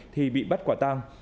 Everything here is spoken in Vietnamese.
thì bị bắt quả tang